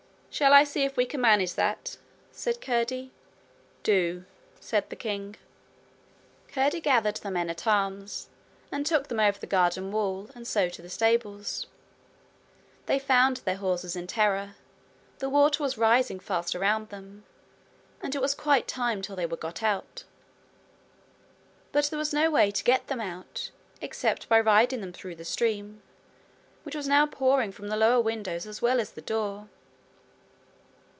'Shall I see if we can manage that?' said Curdie. 'Do,' said the king. Curdie gathered the men at arms, and took them over the garden wall, and so to the stables. They found their horses in terror; the water was rising fast around them, and it was quite time they were got out. But there was no way to get them out, except by riding them through the stream, which was now pouring from the lower windows as well as the door.